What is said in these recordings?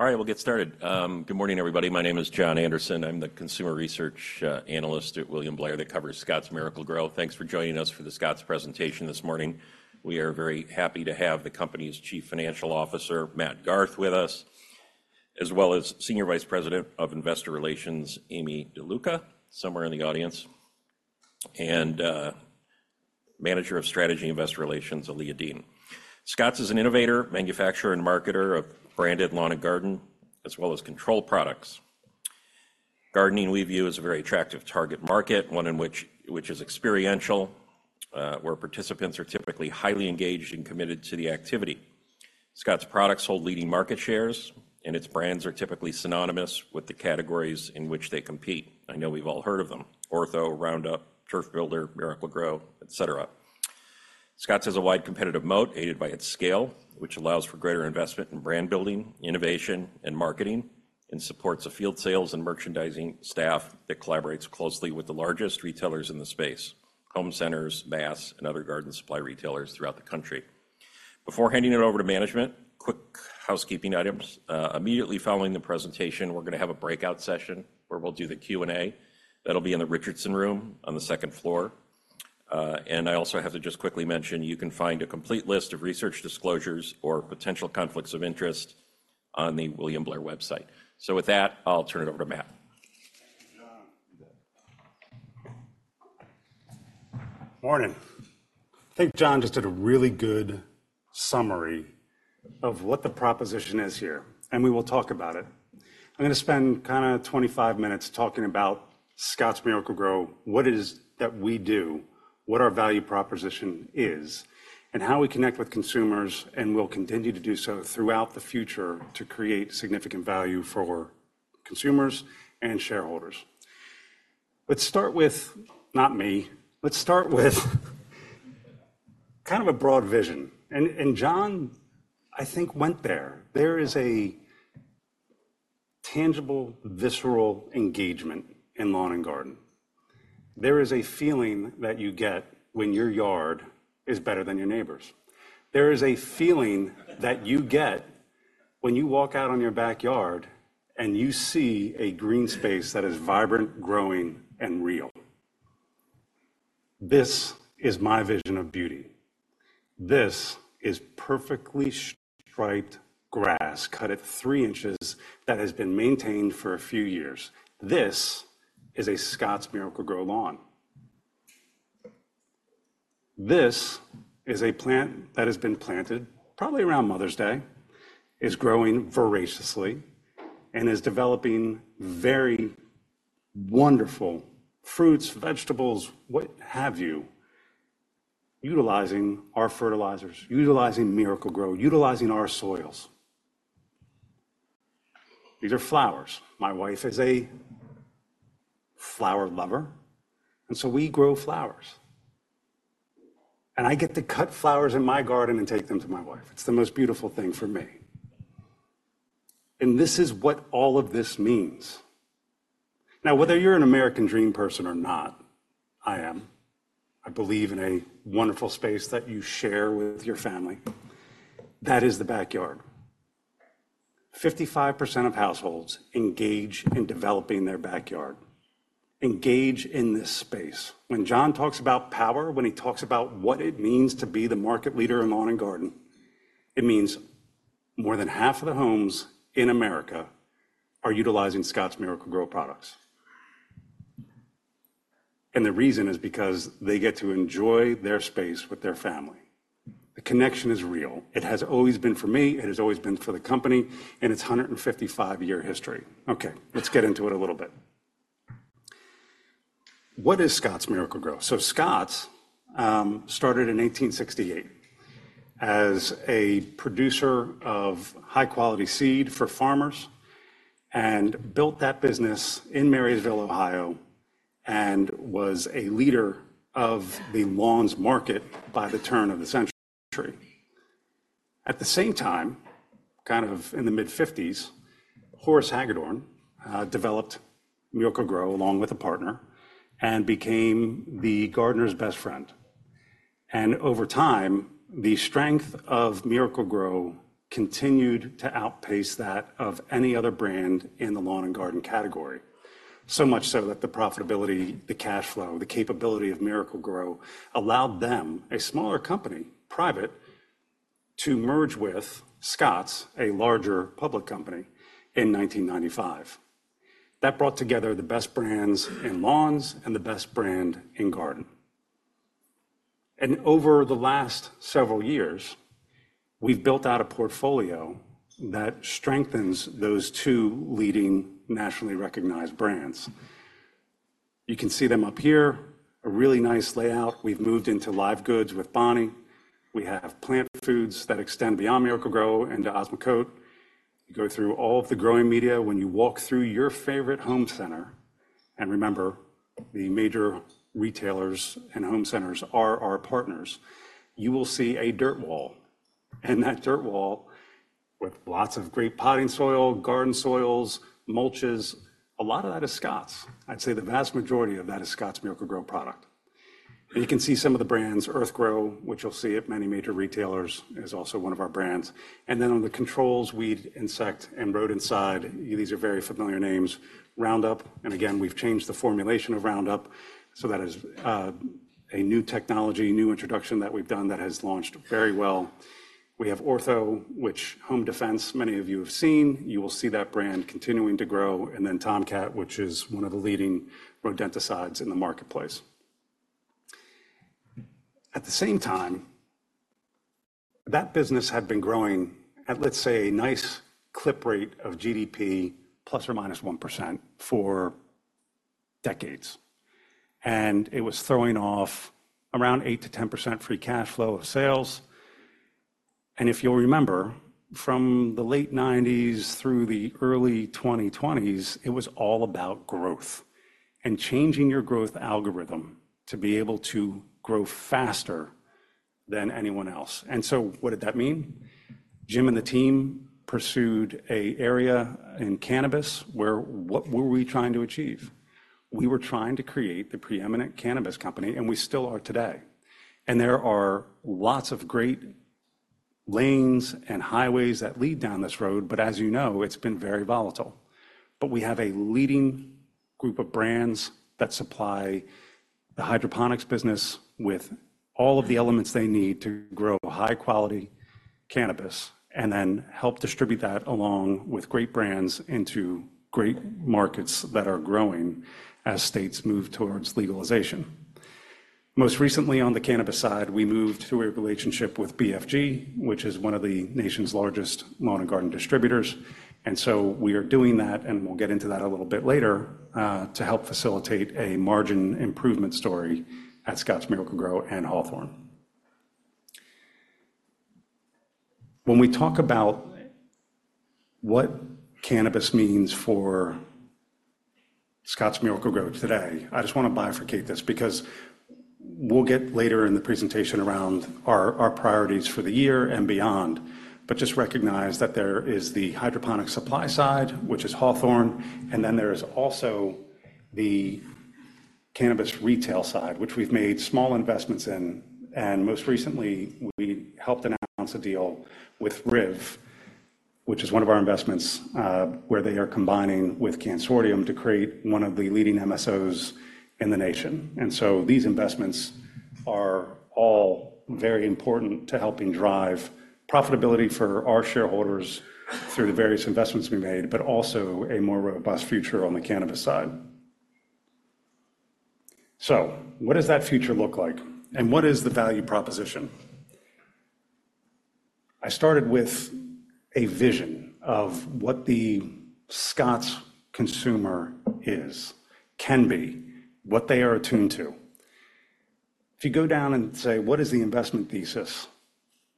All right, we'll get started. Good morning, everybody. My name is Jon Andersen. I'm the consumer research analyst at William Blair that covers Scotts Miracle-Gro. Thanks for joining us for the Scotts presentation this morning. We are very happy to have the company's Chief Financial Officer, Matt Garth, with us, as well as Senior Vice President of Investor Relations, Aimee DeLuca, somewhere in the audience, and Manager of Strategy Investor Relations, Aaliyah Dean. Scotts is an innovator, manufacturer, and marketer of branded lawn and garden, as well as control products. Gardening, we view, as a very attractive target market, one in which, which is experiential, where participants are typically highly engaged and committed to the activity. Scotts products hold leading market shares, and its brands are typically synonymous with the categories in which they compete. I know we've all heard of them: Ortho, Roundup, Turf Builder, Miracle-Gro, et cetera. Scotts has a wide competitive moat, aided by its scale, which allows for greater investment in brand building, innovation, and marketing, and supports a field sales and merchandising staff that collaborates closely with the largest retailers in the space: home centers, mass, and other garden supply retailers throughout the country. Before handing it over to management, quick housekeeping items. Immediately following the presentation, we're gonna have a breakout session where we'll do the Q&A. That'll be in the Richardson Room on the second floor. I also have to just quickly mention, you can find a complete list of research disclosures or potential conflicts of interest on the William Blair website. So with that, I'll turn it over to Matt. Thank you, Jon. Morning. I think John just did a really good summary of what the proposition is here, and we will talk about it. I'm gonna spend kinda 25 minutes talking about Scotts Miracle-Gro, what it is that we do, what our value proposition is, and how we connect with consumers, and will continue to do so throughout the future to create significant value for consumers and shareholders. Let's start with... Not me. Let's start with kind of a broad vision, and, and John, I think, went there. There is a tangible, visceral engagement in lawn and garden. There is a feeling that you get when your yard is better than your neighbor's. There is a feeling that you get when you walk out on your backyard, and you see a green space that is vibrant, growing, and real. This is my vision of beauty. This is perfectly striped grass, cut at 3 inches, that has been maintained for a few years. This is a Scotts Miracle-Gro lawn. This is a plant that has been planted probably around Mother's Day, is growing voraciously, and is developing very wonderful fruits, vegetables, what have you, utilizing our fertilizers, utilizing Miracle-Gro, utilizing our soils. These are flowers. My wife is a flower lover, and so we grow flowers, and I get to cut flowers in my garden and take them to my wife. It's the most beautiful thing for me. This is what all of this means. Now, whether you're an American Dream person or not, I am. I believe in a wonderful space that you share with your family. That is the backyard. 55% of households engage in developing their backyard, engage in this space. When John talks about power, when he talks about what it means to be the market leader in lawn and garden, it means more than half of the homes in America are utilizing Scotts Miracle-Gro products. And the reason is because they get to enjoy their space with their family. The connection is real. It has always been for me, it has always been for the company, in its 155-year history. Okay, let's get into it a little bit. What is Scotts Miracle-Gro? So Scotts started in 1868 as a producer of high-quality seed for farmers and built that business in Marysville, Ohio, and was a leader of the lawns market by the turn of the century. At the same time, kind of in the mid-1950s, Horace Hagedorn developed Miracle-Gro along with a partner and became the gardener's best friend. Over time, the strength of Miracle-Gro continued to outpace that of any other brand in the lawn and garden category. So much so that the profitability, the cash flow, the capability of Miracle-Gro allowed them, a smaller company, private, to merge with Scotts, a larger public company, in 1995. That brought together the best brands in lawns and the best brand in garden. Over the last several years, we've built out a portfolio that strengthens those two leading nationally recognized brands. You can see them up here, a really nice layout. We've moved into live goods with Bonnie. We have plant foods that extend beyond Miracle-Gro into Osmocote. You go through all of the growing media when you walk through your favorite home center, and remember, the major retailers and home centers are our partners. You will see a dirt wall, and that dirt wall with lots of great potting soil, garden soils, mulches, a lot of that is Scotts. I'd say the vast majority of that is Scotts Miracle-Gro product. And you can see some of the brands, Earthgro, which you'll see at many major retailers, is also one of our brands. And then on the controls, weed, insect, and rodent side, these are very familiar names, Roundup, and again, we've changed the formulation of Roundup, so that is a new technology, new introduction that we've done that has launched very well. We have Ortho Home Defense, many of you have seen. You will see that brand continuing to grow, and then Tomcat, which is one of the leading rodenticides in the marketplace. At the same time, that business had been growing at, let's say, a nice clip rate of GDP ±1%, for decades, and it was throwing off around 8%-10% free cash flow of sales. If you'll remember, from the late 1990s through the early 2020s, it was all about growth and changing your growth algorithm to be able to grow faster than anyone else. So what did that mean? Jim and the team pursued a area in cannabis, where... What were we trying to achieve? We were trying to create the preeminent cannabis company, and we still are today. There are lots of great lanes and highways that lead down this road, but as you know, it's been very volatile. We have a leading group of brands that supply the hydroponics business with all of the elements they need to grow high-quality cannabis, and then help distribute that along with great brands into great markets that are growing as states move towards legalization. Most recently, on the cannabis side, we moved to a relationship with BFG, which is one of the nation's largest lawn and garden distributors, and so we are doing that, and we'll get into that a little bit later, to help facilitate a margin improvement story at Scotts Miracle-Gro and Hawthorne. When we talk about what cannabis means for Scotts Miracle-Gro today, I just want to bifurcate this, because we'll get later in the presentation around our, our priorities for the year and beyond, but just recognize that there is the hydroponic supply side, which is Hawthorne, and then there is also the cannabis retail side, which we've made small investments in, and most recently, we helped announce a deal with RIV, which is one of our investments, where they are combining with Cansortium to create one of the leading MSOs in the nation. And so these investments are all very important to helping drive profitability for our shareholders through the various investments we made, but also a more robust future on the cannabis side. So what does that future look like, and what is the value proposition? I started with a vision of what the Scotts consumer is, can be, what they are attuned to. If you go down and say, "What is the investment thesis?"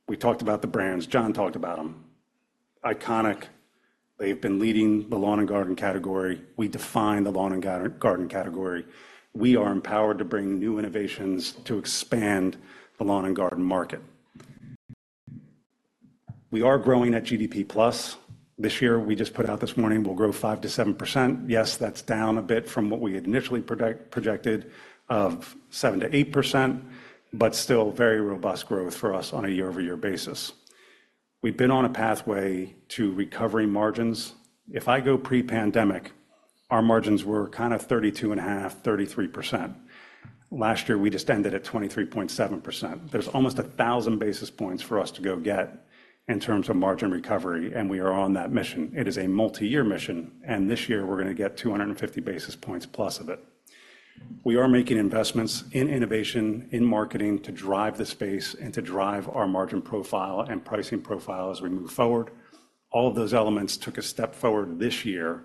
We talked about the brands. John talked about them. Iconic, they've been leading the lawn and garden category. We define the lawn and garden category. We are empowered to bring new innovations to expand the lawn and garden market. We are growing at GDP plus. This year, we just put out this morning, we'll grow 5%-7%. Yes, that's down a bit from what we had initially projected of 7%-8%, but still very robust growth for us on a year-over-year basis. We've been on a pathway to recovery margins. If I go pre-pandemic, our margins were kind of 32.5%, 33%. Last year, we just ended at 23.7%. There's almost 1,000 basis points for us to go get in terms of margin recovery, and we are on that mission. It is a multi-year mission, and this year we're going to get 250 basis points plus of it. We are making investments in innovation, in marketing, to drive the space and to drive our margin profile and pricing profile as we move forward. All of those elements took a step forward this year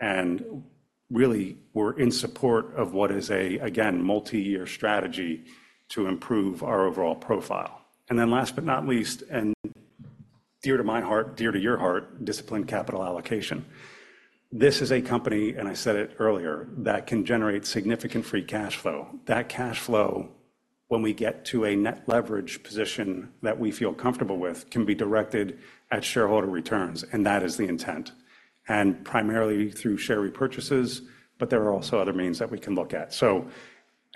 and really were in support of what is a, again, multi-year strategy to improve our overall profile. And then last but not least, and dear to my heart, dear to your heart, disciplined capital allocation. This is a company, and I said it earlier, that can generate significant free cash flow. That cash flow, when we get to a net leverage position that we feel comfortable with, can be directed at shareholder returns, and that is the intent, and primarily through share repurchases, but there are also other means that we can look at. So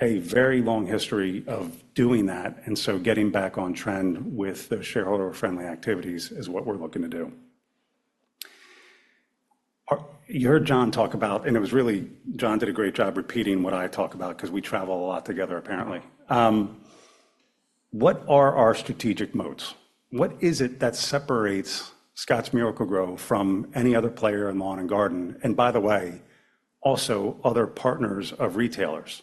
a very long history of doing that, and so getting back on trend with the shareholder-friendly activities is what we're looking to do. You heard John talk about, and it was really... John did a great job repeating what I talk about because we travel a lot together, apparently. What are our strategic moats? What is it that separates Scotts Miracle-Gro from any other player in lawn and garden, and by the way, also other partners of retailers?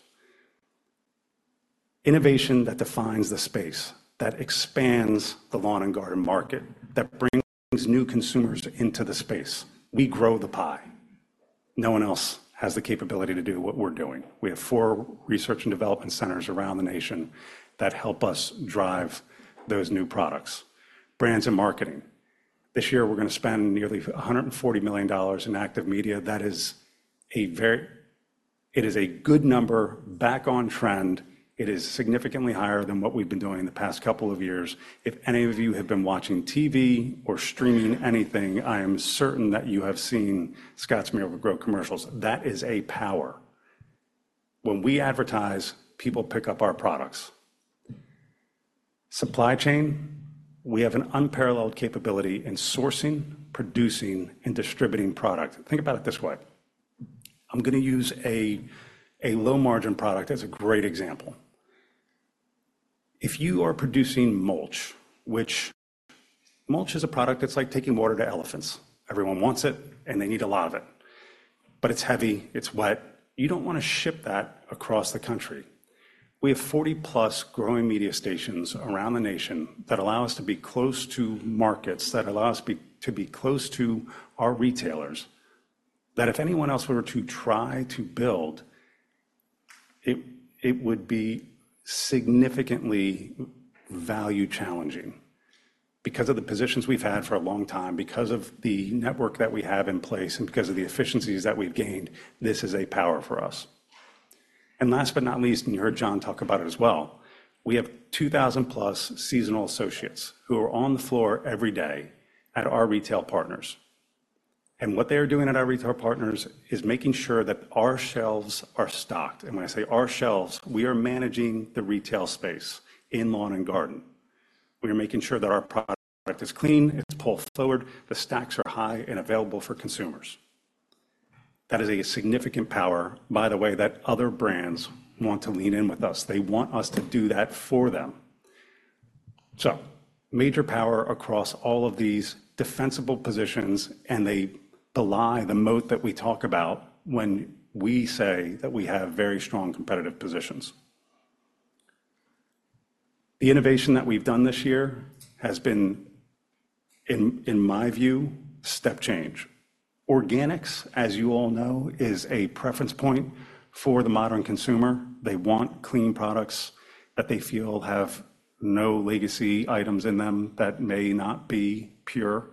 Innovation that defines the space, that expands the lawn and garden market, that brings new consumers into the space. We grow the pie. No one else has the capability to do what we're doing. We have four research and development centers around the nation that help us drive those new products. Brands and marketing. This year, we're going to spend nearly $140 million in active media. That is a very good number, back on trend. It is significantly higher than what we've been doing in the past couple of years. If any of you have been watching TV or streaming anything, I am certain that you have seen Scotts Miracle-Gro commercials. That is a power. When we advertise, people pick up our products... Supply chain, we have an unparalleled capability in sourcing, producing, and distributing product. Think about it this way: I'm gonna use a low-margin product as a great example. If you are producing mulch, which mulch is a product that's like taking water to elephants. Everyone wants it, and they need a lot of it, but it's heavy, it's wet. You don't wanna ship that across the country. We have 40-plus growing media stations around the nation that allow us to be close to markets, that allow us to be close to our retailers, that if anyone else were to try to build it, it would be significantly value challenging. Because of the positions we've had for a long time, because of the network that we have in place, and because of the efficiencies that we've gained, this is a power for us. And last but not least, and you heard John talk about it as well, we have 2,000-plus seasonal associates who are on the floor every day at our retail partners. What they are doing at our retail partners is making sure that our shelves are stocked, and when I say our shelves, we are managing the retail space in lawn and garden. We are making sure that our product is clean, it's pulled forward, the stacks are high and available for consumers. That is a significant power, by the way, that other brands want to lean in with us. They want us to do that for them. So major power across all of these defensible positions, and they belie the moat that we talk about when we say that we have very strong competitive positions. The innovation that we've done this year has been, in my view, step change. Organics, as you all know, is a preference point for the modern consumer. They want clean products that they feel have no legacy items in them that may not be pure.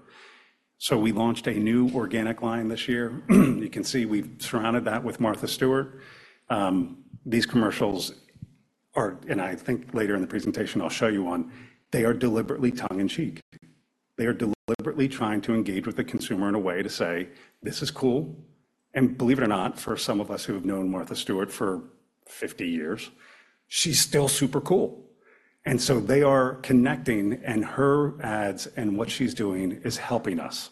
So we launched a new organic line this year. You can see we've surrounded that with Martha Stewart. These commercials are, and I think later in the presentation, I'll show you one, they are deliberately tongue-in-cheek. They are deliberately trying to engage with the consumer in a way to say, "This is cool," and believe it or not, for some of us who have known Martha Stewart for 50 years, she's still super cool, and so they are connecting, and her ads and what she's doing is helping us.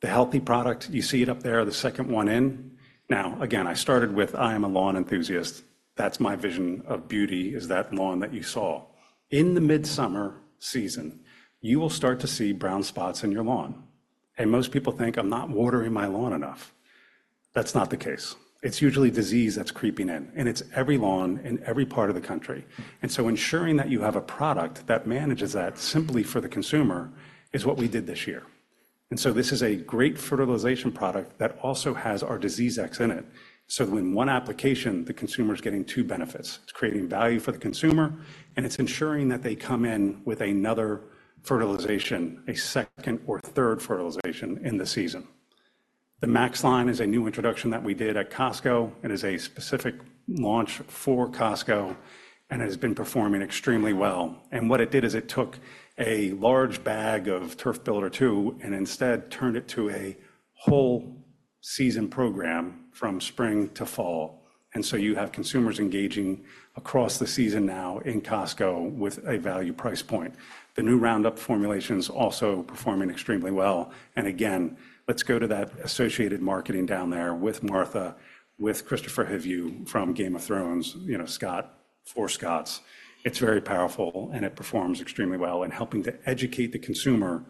The Healthy product, you see it up there, the second one in. Now, again, I started with, "I am a lawn enthusiast." That's my vision of beauty is that lawn that you saw. In the midsummer season, you will start to see brown spots in your lawn, and most people think, "I'm not watering my lawn enough." That's not the case. It's usually disease that's creeping in, and it's every lawn in every part of the country. And so ensuring that you have a product that manages that simply for the consumer is what we did this year. And so this is a great fertilization product that also has our DiseaseEx in it, so in one application, the consumer's getting two benefits. It's creating value for the consumer, and it's ensuring that they come in with another fertilization, a second or third fertilization in the season. The Max line is a new introduction that we did at Costco. It is a specific launch for Costco, and it has been performing extremely well, and what it did is it took a large bag of Turf Builder II and instead turned it to a whole season program from spring to fall. So you have consumers engaging across the season now in Costco with a value price point. The new Roundup formulation's also performing extremely well, and again, let's go to that associated marketing down there with Martha, with Kristofer Hivju from Game of Thrones, you know, Scott for Scotts. It's very powerful, and it performs extremely well in helping to educate the consumer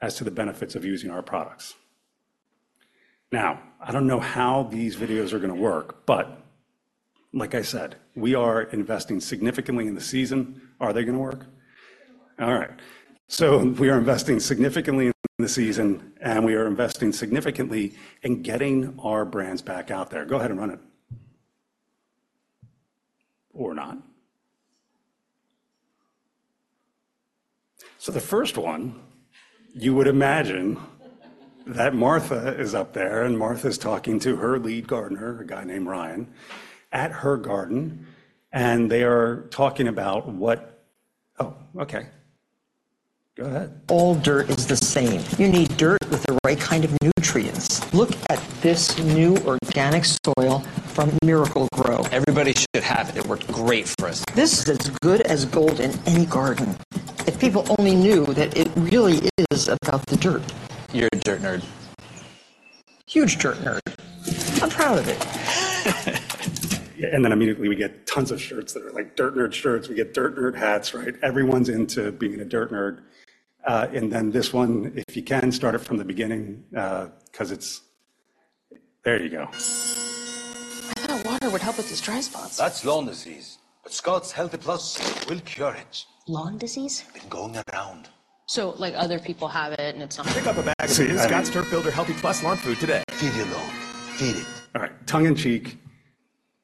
as to the benefits of using our products. Now, I don't know how these videos are gonna work, but like I said, we are investing significantly in the season. Are they gonna work? They're gonna work. All right. So we are investing significantly in the season, and we are investing significantly in getting our brands back out there. Go ahead and run it. Or not. So the first one, you would imagine that Martha is up there, and Martha's talking to her lead gardener, a guy named Ryan, at her garden, and they are talking about what... Oh, okay. Go ahead. All dirt is the same. You need dirt with the right kind of nutrients. Look at this new organic soil from Miracle-Gro. Everybody should have it. It worked great for us. This is as good as gold in any garden. If people only knew that it really is about the dirt. You're a dirt nerd. Huge dirt nerd. I'm proud of it. And then immediately we get tons of shirts that are, like, dirt nerd shirts. We get dirt nerd hats, right? Everyone's into being a dirt nerd. And then this one, if you can, start it from the beginning, 'cause it's... There you go. I thought water would help with these dry spots. That's lawn disease, but Scotts Healthy Plus will cure it. Lawn disease? Been going around. Like, other people have it, and it's not- Pick up a bag of Scotts Turf Builder Healthy Plus Lawn Food today. Feed your lawn. Feed it. All right, tongue in cheek.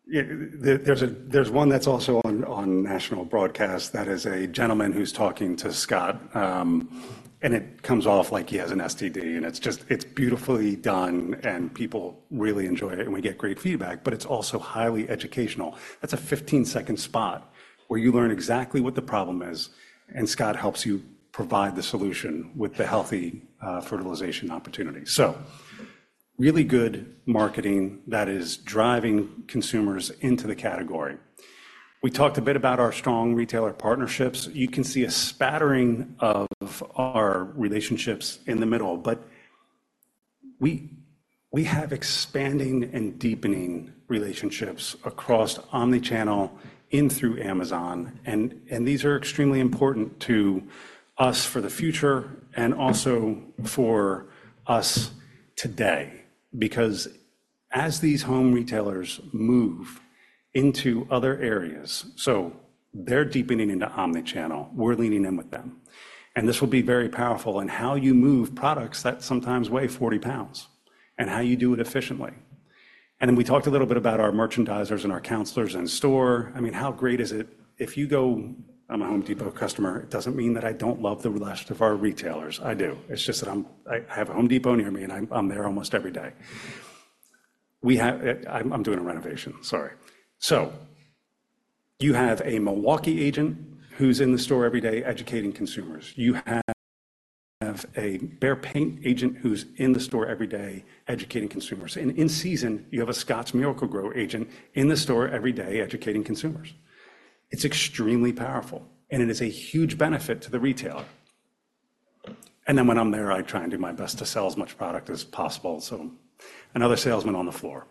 There, there's one that's also on national broadcast. That is a gentleman who's talking to Scott, and it comes off like he has an STD, and it's just—it's beautifully done, and people really enjoy it, and we get great feedback, but it's also highly educational. That's a 15-second spot where you learn exactly what the problem is, and Scott helps you provide the solution with the healthy fertilization opportunity. Really good marketing that is driving consumers into the category. We talked a bit about our strong retailer partnerships. You can see a spattering of our relationships in the middle, but we have expanding and deepening relationships across omnichannel in through Amazon, and these are extremely important to us for the future and also for us today. Because as these home retailers move into other areas, so they're deepening into omnichannel, we're leaning in with them. And this will be very powerful in how you move products that sometimes weigh 40 pounds and how you do it efficiently. And then we talked a little bit about our merchandisers and our counselors in store. I mean, how great is it if you go... I'm a Home Depot customer, it doesn't mean that I don't love the rest of our retailers. I do. It's just that I have a Home Depot near me, and I'm there almost every day. We have... I'm doing a renovation. Sorry. So you have a Milwaukee agent who's in the store every day educating consumers. You have a Behr paint agent who's in the store every day educating consumers. In season, you have a Scotts Miracle-Gro agent in the store every day educating consumers. It's extremely powerful, and it is a huge benefit to the retailer. Then when I'm there, I try and do my best to sell as much product as possible, so another salesman on the floor.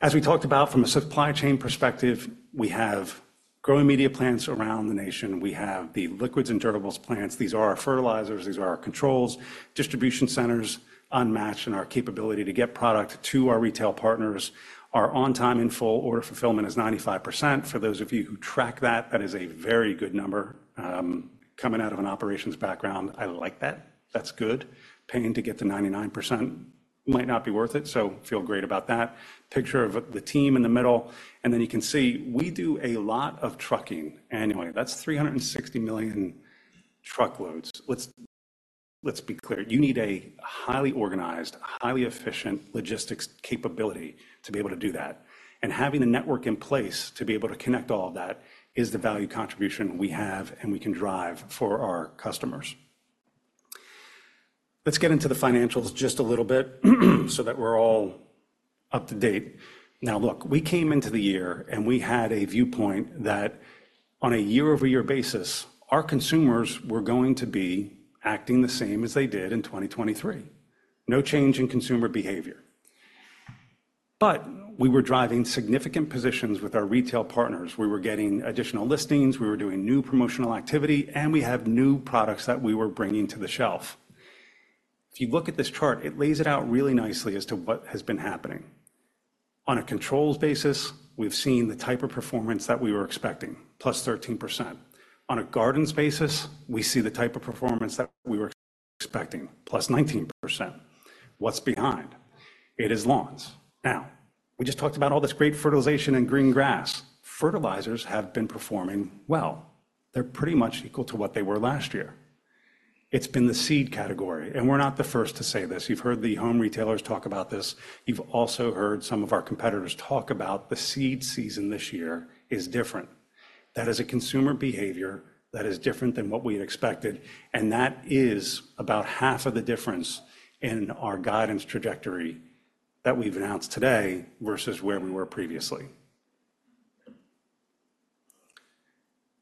As we talked about from a supply chain perspective, we have growing media plants around the nation. We have the liquids and turbos plants. These are our fertilizers, these are our controls, distribution centers, unmatched, and our capability to get product to our retail partners. Our on-time in full order fulfillment is 95%. For those of you who track that, that is a very good number. Coming out of an operations background, I like that. That's good. Paying to get to 99% might not be worth it, so feel great about that. Picture of the team in the middle, and then you can see we do a lot of trucking annually. That's 360 million truckloads. Let's, let's be clear, you need a highly organized, highly efficient logistics capability to be able to do that. And having the network in place to be able to connect all of that is the value contribution we have, and we can drive for our customers. Let's get into the financials just a little bit, so that we're all up to date. Now, look, we came into the year, and we had a viewpoint that on a year-over-year basis, our consumers were going to be acting the same as they did in 2023. No change in consumer behavior. But we were driving significant positions with our retail partners. We were getting additional listings, we were doing new promotional activity, and we have new products that we were bringing to the shelf. If you look at this chart, it lays it out really nicely as to what has been happening. On a controls basis, we've seen the type of performance that we were expecting, plus 13%. On a gardens basis, we see the type of performance that we were expecting, plus 19%. What's behind? It is lawns. Now, we just talked about all this great fertilization and green grass. Fertilizers have been performing well. They're pretty much equal to what they were last year. It's been the seed category, and we're not the first to say this. You've heard the home retailers talk about this. You've also heard some of our competitors talk about the seed season this year is different. That is a consumer behavior that is different than what we had expected, and that is about half of the difference in our guidance trajectory that we've announced today versus where we were previously.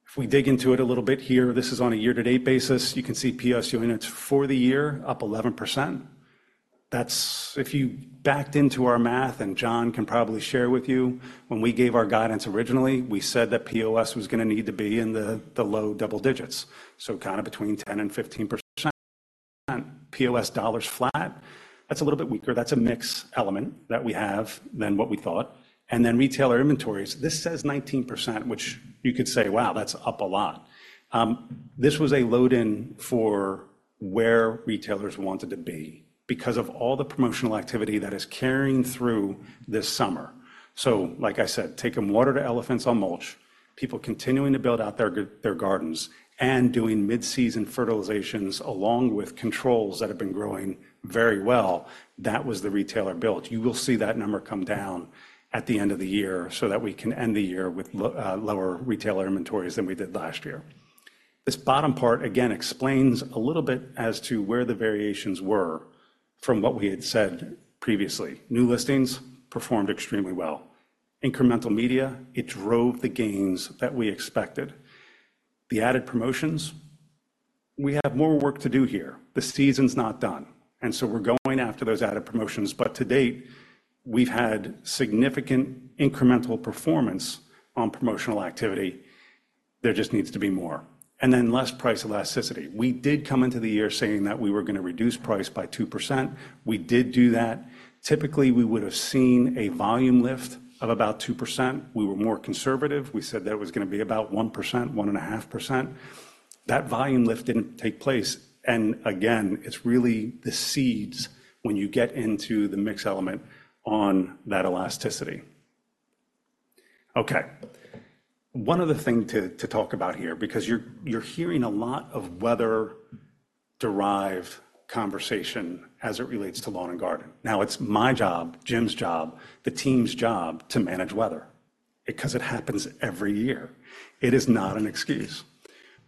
If we dig into it a little bit here, this is on a year-to-date basis. You can see POS units for the year up 11%. That's if you backed into our math, and John can probably share with you, when we gave our guidance originally, we said that POS was gonna need to be in the low double digits, so kinda between 10% and 15%. POS dollars flat, that's a little bit weaker. That's a mix element that we have than what we thought. And then retailer inventories, this says 19%, which you could say, "Wow, that's up a lot." This was a load in for where retailers wanted to be because of all the promotional activity that is carrying through this summer. So like I said, taking water to elephants on mulch, people continuing to build out their gardens and doing mid-season fertilizations, along with controls that have been growing very well. That was the retailer built. You will see that number come down at the end of the year so that we can end the year with lower retailer inventories than we did last year. This bottom part, again, explains a little bit as to where the variations were from what we had said previously. New listings performed extremely well. Incremental media, it drove the gains that we expected. The added promotions, we have more work to do here. The season's not done, and so we're going after those added promotions, but to date, we've had significant incremental performance on promotional activity. There just needs to be more. And then less price elasticity. We did come into the year saying that we were gonna reduce price by 2%. We did do that. Typically, we would have seen a volume lift of about 2%. We were more conservative. We said that it was gonna be about 1%, 1.5%. That volume lift didn't take place, and again, it's really the seeds when you get into the mix element on that elasticity. Okay, one other thing to talk about here, because you're hearing a lot of weather-derived conversation as it relates to lawn and garden. Now, it's my job, Jim's job, the team's job to manage weather, because it happens every year. It is not an excuse.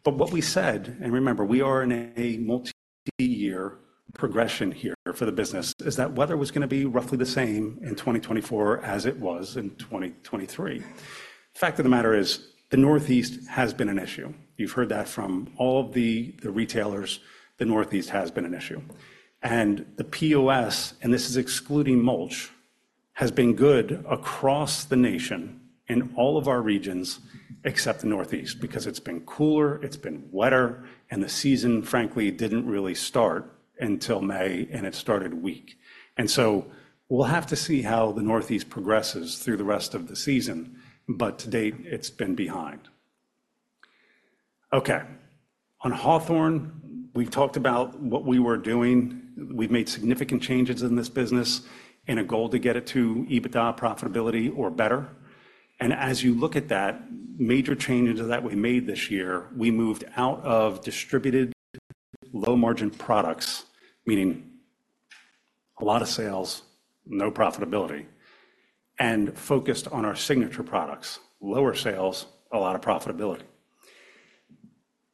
But what we said, and remember, we are in a multi-year progression here for the business, is that weather was going to be roughly the same in 2024 as it was in 2023. The fact of the matter is, the Northeast has been an issue. You've heard that from all of the retailers, the Northeast has been an issue. And the POS, and this is excluding mulch, has been good across the nation in all of our regions, except the Northeast, because it's been cooler, it's been wetter, and the season, frankly, didn't really start until May, and it started weak. And so we'll have to see how the Northeast progresses through the rest of the season, but to date, it's been behind. Okay, on Hawthorne, we've talked about what we were doing. We've made significant changes in this business and a goal to get it to EBITDA profitability or better. As you look at that, major changes that we made this year, we moved out of distributed low-margin products, meaning a lot of sales, no profitability, and focused on our signature products, lower sales, a lot of profitability.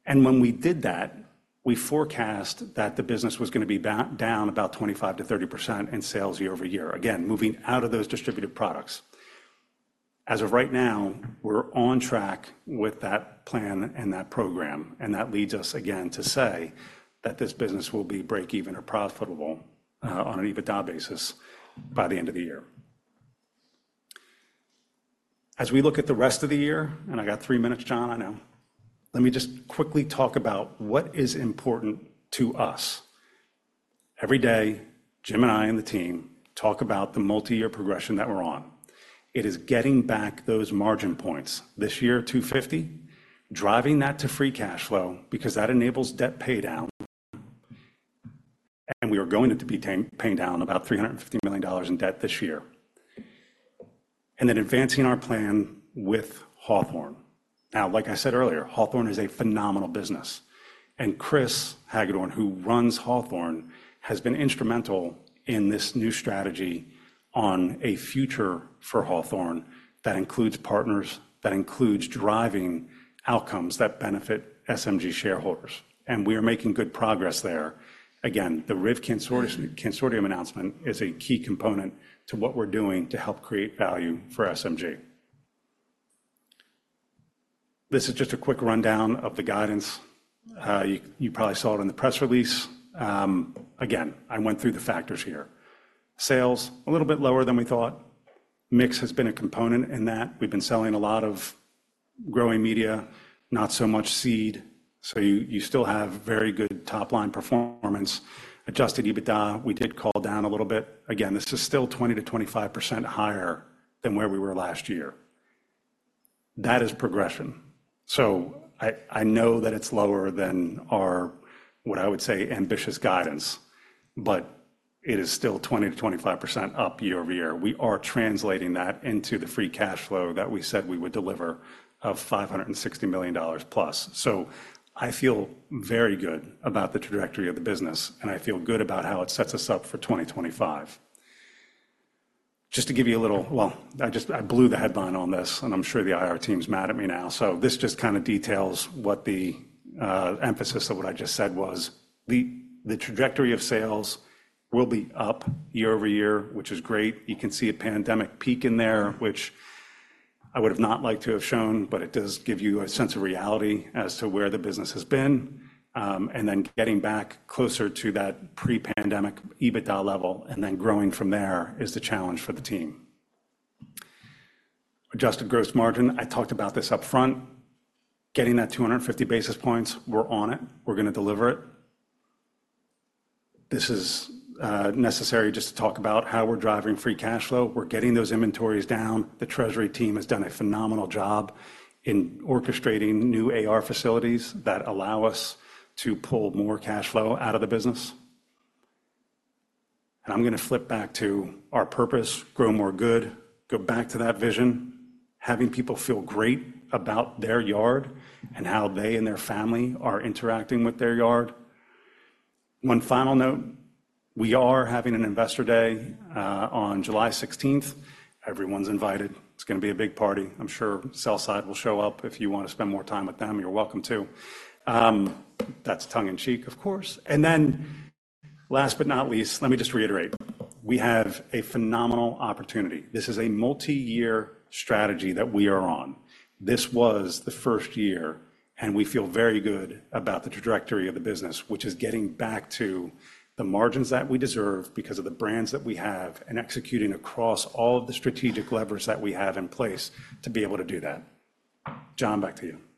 When we did that, we forecast that the business was going to be down about 25%-30% in sales year-over-year. Again, moving out of those distributed products. As of right now, we're on track with that plan and that program, and that leads us, again, to say that this business will be break even or profitable on an EBITDA basis by the end of the year. As we look at the rest of the year, and I got 3 minutes, John, I know. Let me just quickly talk about what is important to us. Every day, Jim and I, and the team, talk about the multi-year progression that we're on. It is getting back those margin points. This year, 250, driving that to free cash flow because that enables debt paydown, and we are going to be paying, paying down about $350 million in debt this year. Then advancing our plan with Hawthorne. Now, like I said earlier, Hawthorne is a phenomenal business, and Chris Hagedorn, who runs Hawthorne, has been instrumental in this new strategy on a future for Hawthorne that includes partners, that includes driving outcomes that benefit SMG shareholders, and we are making good progress there. Again, the RIV-Cansortium announcement is a key component to what we're doing to help create value for SMG. This is just a quick rundown of the guidance. You, you probably saw it in the press release. Again, I went through the factors here. Sales, a little bit lower than we thought. Mix has been a component in that. We've been selling a lot of growing media, not so much seed, so you, you still have very good top-line performance. Adjusted EBITDA, we did call down a little bit. Again, this is still 20%-25% higher than where we were last year. That is progression. So I, I know that it's lower than our, what I would say, ambitious guidance, but it is still 20%-25% up year-over-year. We are translating that into the free cash flow that we said we would deliver of $560 million plus. So I feel very good about the trajectory of the business, and I feel good about how it sets us up for 2025. Just to give you a little... Well, I just, I blew the headline on this, and I'm sure the IR team's mad at me now. So this just kind of details what the emphasis of what I just said was. The trajectory of sales will be up year-over-year, which is great. You can see a pandemic peak in there, which I would have not liked to have shown, but it does give you a sense of reality as to where the business has been. And then getting back closer to that pre-pandemic EBITDA level and then growing from there is the challenge for the team. Adjusted gross margin, I talked about this upfront. Getting that 250 basis points, we're on it. We're going to deliver it. This is necessary just to talk about how we're driving free cash flow. We're getting those inventories down. The treasury team has done a phenomenal job in orchestrating new AR facilities that allow us to pull more cash flow out of the business. And I'm going to flip back to our purpose, Grow More Good. Go back to that vision, having people feel great about their yard and how they and their family are interacting with their yard. One final note: we are having an investor day on July sixteenth. Everyone's invited. It's going to be a big party. I'm sure sell-side will show up. If you want to spend more time with them, you're welcome, too. That's tongue-in-cheek, of course. And then last but not least, let me just reiterate, we have a phenomenal opportunity. This is a multi-year strategy that we are on. This was the first year, and we feel very good about the trajectory of the business, which is getting back to the margins that we deserve because of the brands that we have and executing across all of the strategic levers that we have in place to be able to do that. John, back to you. Thanks, Matt. We'll go to the breakout.